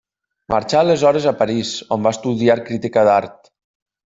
Marxà aleshores a París, on va estudiar crítica d'art.